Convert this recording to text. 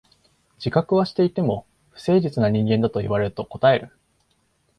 自覚はしていても、不誠実な人間だと言われると応える。